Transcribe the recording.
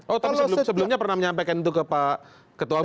oh tapi sebelumnya pernah menyampaikan itu ke pak ketua umum